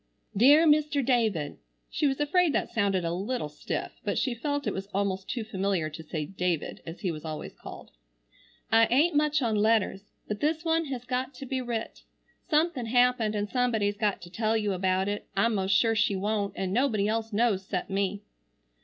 "DEAR MR. DAVID:" (she was afraid that sounded a little stiff, but she felt it was almost too familiar to say "David" as he was always called.) "I ain't much on letters, but this one has got to be writ. Something happened and somebody's got to tell you about it. I'm most sure she wont, and nobody else knows cept me.